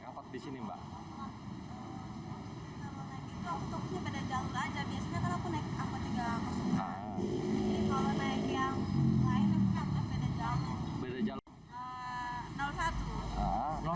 masukkan baik direction